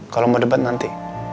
kalau mau debat nanti